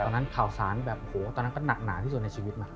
ตอนนั้นข่าวสารแบบตอนนั้นก็หนักหนาที่สุดในชีวิตมาก